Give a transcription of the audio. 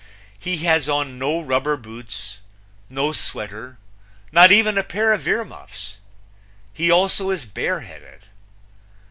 He has on no rubber boots, no sweater, not even a pair of ear muffs. He also is bare headed.